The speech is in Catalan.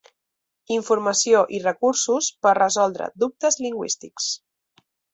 Informació i recursos per resoldre dubtes lingüístics.